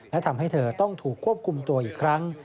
และทำให้เธอต้องถูกควบคุมตัวอีกครั้ง